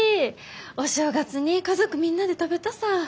お正月に家族みんなで食べたさぁ。